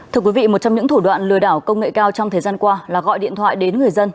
thưa quý vị một trong những thủ đoạn lừa đảo công nghệ cao trong thời gian qua là gọi điện thoại đến người dân